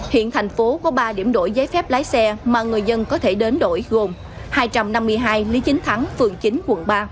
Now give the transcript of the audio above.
hiện thành phố có ba điểm đổi giấy phép lái xe mà người dân có thể đến đổi gồm hai trăm năm mươi hai lý chính thắng phường chín quận ba